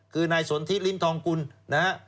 คือนายสนทิศลิ้นทองกุลนะ